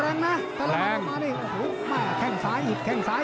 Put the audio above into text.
ติดตามยังน้อยกว่า